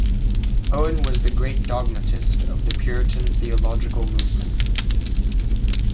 Owen was the great dogmatist of the Puritan theological movement.